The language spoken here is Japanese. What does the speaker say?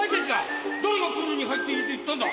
誰がプールに入っていいと言ったんだ？